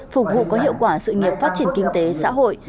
phục vụ có hiệu quả sự nghiệp phát triển kinh tế xã hội